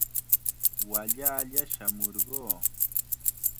Wallalla shamurquu.